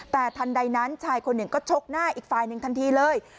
แต่ทันใดนั้นชายคนหนึ่งก็ชกหน้าอีกฝ่ายหนึ่งทันทีเลย